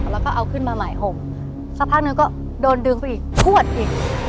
แล้วก็เอาขึ้นมาใหม่ห่มสักพักนึงก็โดนดึงเขาอีกพวดอีก